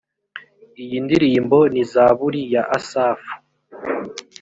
iyi ndirimbo ni zaburi ya asafu